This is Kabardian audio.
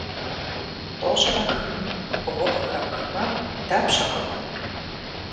Тӏощӏрэ хым бгъу къыхэпхмэ, дапщэ къэнэнур?